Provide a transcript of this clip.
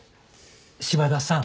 島田さん